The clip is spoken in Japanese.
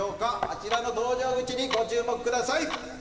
あちらの登場口にご注目ください！